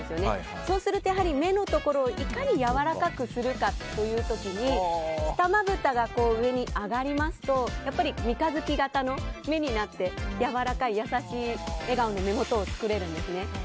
そうすると目のところを、いかにやわらかくするかという時に下まぶたが上に上がりますと三日月形の目になって柔らかい優しい笑顔の目元を作れるんですね。